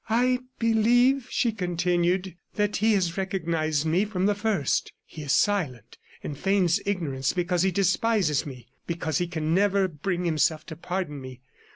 "I believe," she continued, "that he has recognized me from the first. ... He is silent and feigns ignorance because he despises me ... because he can never bring himself to pardon me.